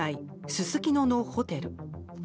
すすきののホテル。